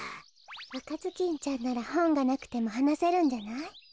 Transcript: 「あかずきんちゃん」ならほんがなくてもはなせるんじゃない？